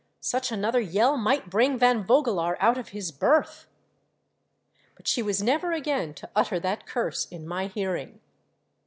" Such another yell might bring Van Vogelaar out of his berth." But she was never again to utter that curse in my hearing.